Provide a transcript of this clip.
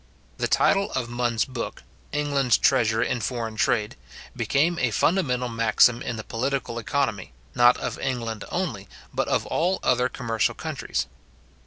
The title of Mun's book, England's Treasure in Foreign Trade, became a fundamental maxim in the political economy, not of England only, but of all other commercial countries.